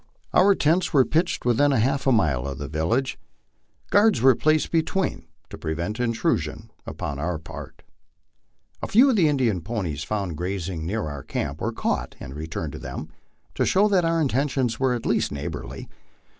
Our tents were pitched within half a mile of the village. Guards were placed between to pre vent intrusion upon our part. A few of the Indian ponies found grazing near our camp were caught and returned to them, to show that our intentions were at least neighborly.